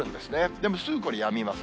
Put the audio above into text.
でもすぐこれ、やみます。